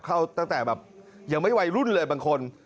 เข้าตั้งแต่แบบยังไม่วัยรุ่นเลยบางคน